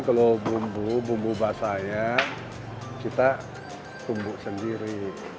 kalau bumbu bumbu bahasanya kita kumbuk sendiri